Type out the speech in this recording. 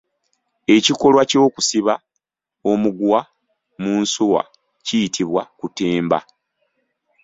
Ekikolwa ky’okusiba omuguwa mu nsuwa kuyitibwa kutemba.